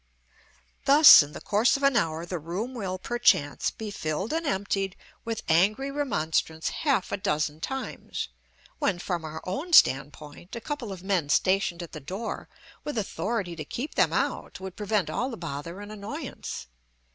Thus in the course of an hour the room will, perchance, be filled and emptied with angry remonstrance half a dozen times, when, from our own stand point, a couple of men stationed at the door with authority to keep them out would prevent all the bother and annoyance.